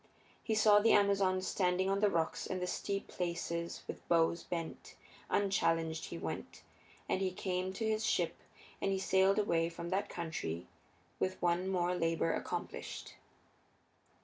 He saw the Amazons standing on the rocks and the steep places with bows bent; unchallenged he went on, and he came to his ship and he sailed away from that country with one more labor accomplished.